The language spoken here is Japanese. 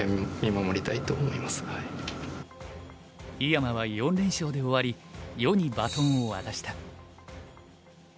井山は４連勝で終わり余にバトンを渡した。